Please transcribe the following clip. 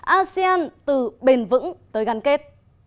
asean từ bền vững tới gắn kết